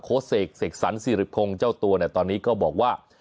โคสต์เสกเสกสรรสิริพงศ์เจ้าตัวตอนนี้ก็บอกว่า